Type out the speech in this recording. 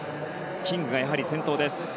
キングがやはり先頭です。